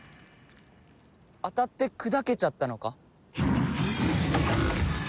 当たって砕けちゃったのか？